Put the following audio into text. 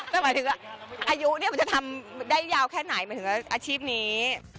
ก็หมายถึงอายุมันจะทำได้ยาวแค่ไหนหมายถึงอาชีพนี้